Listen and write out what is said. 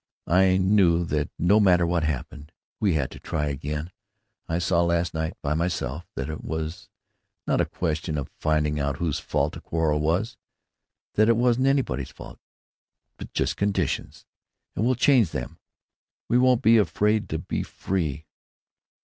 I knew that no matter what happened, we had to try again.... I saw last night, by myself, that it was not a question of finding out whose fault a quarrel was; that it wasn't anybody's 'fault,' but just conditions.... And we'll change them.... We won't be afraid to be free."